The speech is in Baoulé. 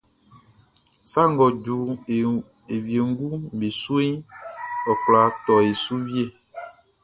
Sa ngʼɔ ju e wienguʼm be suʼn, ɔ kwla tɔ e su wie.